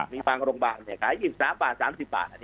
มีบางโรงพยาบาลเนี่ย